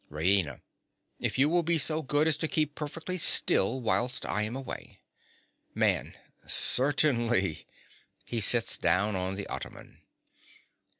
RAINA. If you will be so good as to keep perfectly still whilst I am away. MAN. Certainly. (_He sits down on the ottoman.